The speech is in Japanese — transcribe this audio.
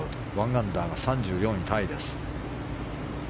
１アンダーは３４位タイです。